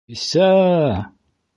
Бисә-ә!